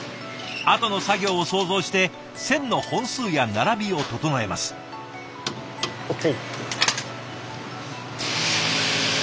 あとの作業を想像して線の本数や並びを整えます。ＯＫ！